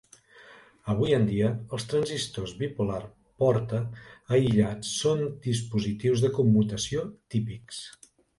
Avui en dia, els transistors bipolar porta aïllats són dispositius de commutació típics.